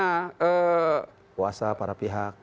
puasa para pihak